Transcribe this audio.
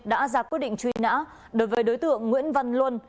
đã ra quyết định truy nã đối với đối tượng nguyễn văn luân